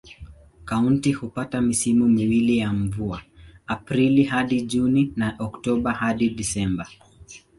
Kaunti hupata misimu miwili ya mvua: Aprili hadi Juni na Oktoba hadi Disemba.